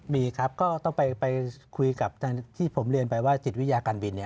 มีครับก็ต้องไปคุยกับทางที่ผมเรียนไปว่าจิตวิทยาการบิน